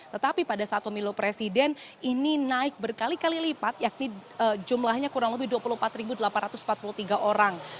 tetapi pada saat pemilu presiden ini naik berkali kali lipat yakni jumlahnya kurang lebih dua puluh empat delapan ratus empat puluh tiga orang